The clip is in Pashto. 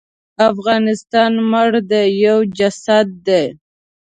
افغانستان مړ دی یو جسد دی.